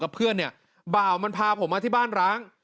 เพื่อนเนี่ยบ่าวมันพาผมมาที่บ้านร้าง